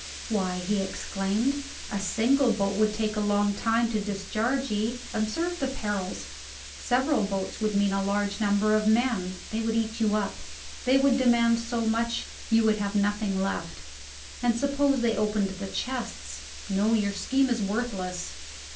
"Why," he exclaimed, "a single boat would take a long time to discharge ye observe the perils several boats would mean a large number of men; they would eat you up; they would demand so much, you would have nothing left. And suppose they opened the chests! No, your scheme is worthless."